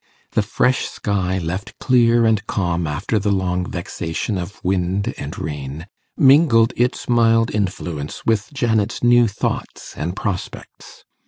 The fresh sky, left clear and calm after the long vexation of wind and rain, mingled its mild influence with Janet's new thoughts and prospects.